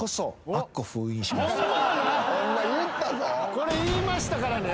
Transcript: これ言いましたからね。